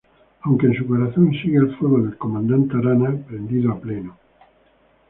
Aunque en su corazón sigue el fuego del comandante Arana prendido a pleno.